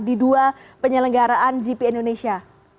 di dua penyelenggaraan gp indonesia